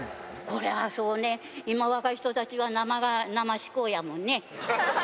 これはそうね、今、若い人たちは生しこうやもんね。